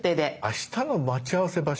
あしたの待ち合わせ場所？